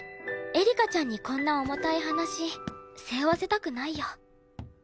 エリカちゃんにこんな重たい話背負わせたくないよ。